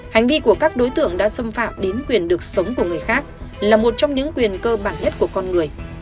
hành vi của các đối tượng đã xâm phạm đến quyền được sống của người khác là một trong những quyền cơ bản nhất của con người